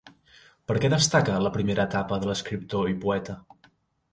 Per què destaca la primera etapa de l'escriptor i poeta?